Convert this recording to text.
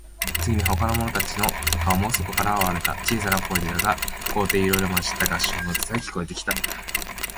次に、ほかの者たちの顔もそこから現われた。小さい声でだが、高低いろいろまじった合唱の歌さえ、聞こえてきた。